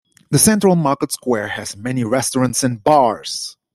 The central market square has many restaurants and bars.